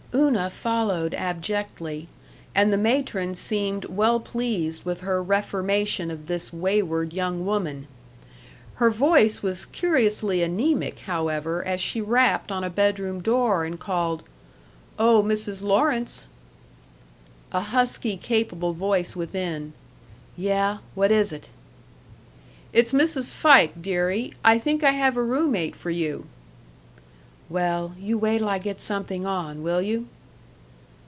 Una followed abjectly, and the matron seemed well pleased with her reformation of this wayward young woman. Her voice was curiously anemic, however, as she rapped on a bedroom door and called, "Oh, Mrs. Lawrence!" A husky, capable voice within, "Yeah, what is 't?" "It's Mrs. Fike, deary. I think I have a room mate for you." "Well, you wait 'll I get something on, will you!"